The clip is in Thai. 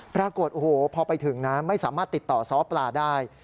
ปรากฏโอ้โหพอไปถึงนะไม่สามารถติดต่อซ้อปลาได้